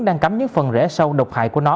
đang cắm những phần rễ sâu độc hại của nó